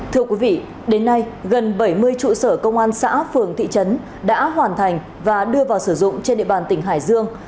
thưa quý vị đến nay gần bảy mươi trụ sở công an xã phường thị trấn đã hoàn thành và đưa vào sử dụng trên địa bàn tỉnh hải dương